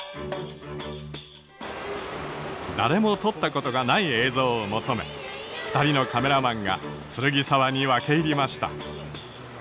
誰も撮ったことがない映像を求め二人のカメラマンが剱沢に分け入りました。